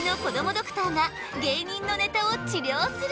ドクターが芸人のネタを治りょうする！